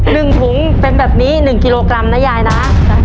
หนึ่งถุงเป็นแบบนี้หนึ่งกิโลกรัมนะยายนะครับ